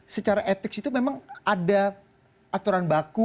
secara etik itu memang ada aturan baku